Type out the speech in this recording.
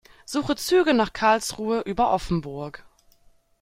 Suche Züge nach Karlsruhe über Offenburg.